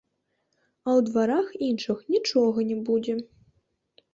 А ў дварах іншых нічога не будзе.